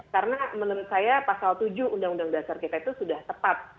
karena menurut saya pasal tujuh undang undang dasar kita itu sudah tepat